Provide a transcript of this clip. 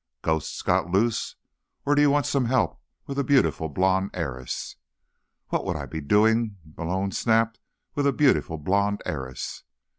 "Ghosts got loose? Or do you want some help with a beautiful blonde heiress?" "What would I be doing," Malone snapped, "with a beautiful blonde heiress?"